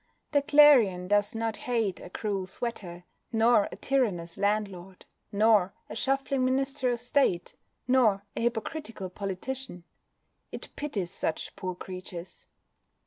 The Clarion does not hate a cruel sweater, nor a tyrannous landlord, nor a shuffling Minister of State, nor a hypocritical politician: it pities such poor creatures.